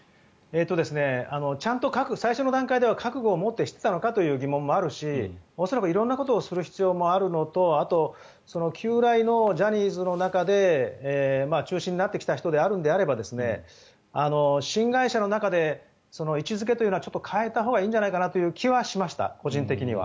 ちゃんと最初の段階では覚悟を持ってしていたのかという疑問もあるし恐らく、色んなことをする必要もあるのと旧来のジャニーズの中で中心になってきた人であれば新会社の中で位置付けというのはちょっと変えたほうがいいんじゃないかなという気はしました、個人的には。